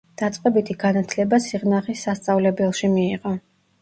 დაწყებითი განათლება სიღნაღის სასწავლებელში მიიღო.